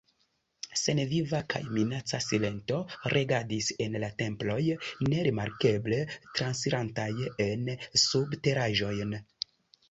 Senviva kaj minaca silento regadis en la temploj, nerimarkeble transirantaj en subteraĵojn.